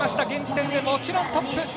現時点でもちろんトップ。